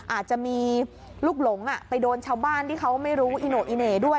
อาจจะมีลูกหลงไปโดนชาวบ้านที่เขาไม่รู้อิโน่อีเหน่ด้วย